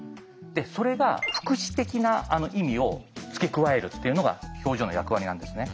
それが副詞的な意味を付け加えるっていうのが表情の役割なんですね。